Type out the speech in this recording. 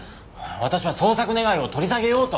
私は捜索願を取り下げようと。